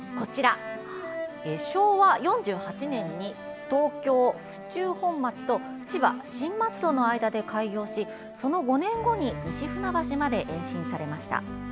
昭和４８年に東京・府中本町と千葉・新松戸の間で開業しその５年後に西船橋まで延伸されました。